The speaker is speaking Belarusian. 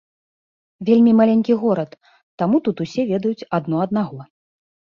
Вельмі маленькі горад, таму тут усе ведаюць адно аднаго.